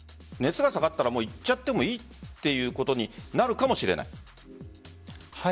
熱が下がったら行っちゃってもいいということになるかもしれない。